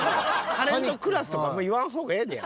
「タレントクラス」とかあんま言わん方がええで。